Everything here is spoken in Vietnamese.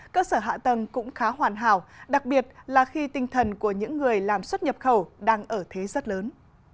cơ sở hạ tầng cũng khá hoàn hảo đặc biệt là khi tinh thần của những người làm xuất nhập khẩu đang ở thế rất lớn